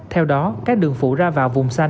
theo đó các đường phủ ra vào vùng xanh